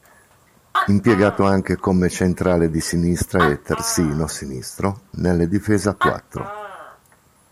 Impiegato anche come centrale di sinistra e terzino sinistro nelle difese a quattro.